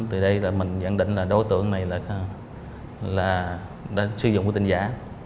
từ đây là mình dẫn định là đối tượng này là sư dụng của tên giả